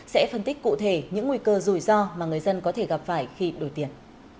sẽ phân tích cụ thể những nguy cơ rủi ro mà người dân có thể gặp phải khi đổi tiền